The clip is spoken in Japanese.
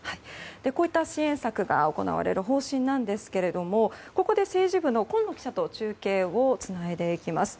こういった支援策が行われる方針なんですがここで、政治部の今野記者と中継とつないでまいります。